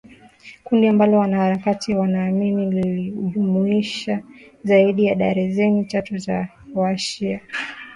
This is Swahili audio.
kundi ambalo wanaharakati wanaamini lilijumuisha zaidi ya darzeni tatu za wa-shia